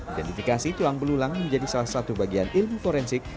identifikasi tulang belulang menjadi salah satu bagian ilmu forensik